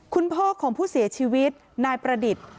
คุณพ่อของผู้เสียชีวิตนายประดิษฐ์